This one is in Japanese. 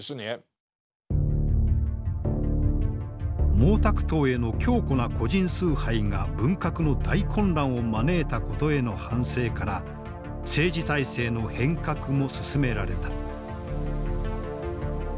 毛沢東への強固な個人崇拝が文革の大混乱を招いたことへの反省から政治体制の変革も進められた。